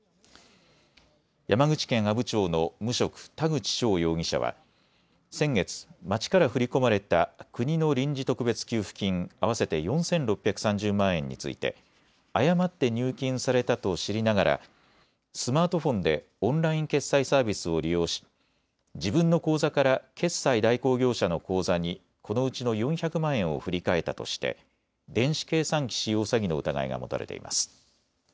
山口県阿武町の無職、田口翔容疑者は先月、町から振り込まれた国の臨時特別給付金合わせて４６３０万円について誤って入金されたと知りながらスマートフォンでオンライン決済サービスを利用し自分の口座から決済代行業者の口座にこのうちの４００万円を振り替えたとして電子計算機使用詐欺の疑いが持たれています。